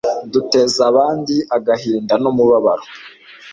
duteza abandi agahinda n'umubabaro